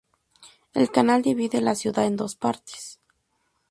El canal divide la ciudad en dos partes.